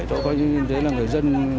thôi coi như thế là người dân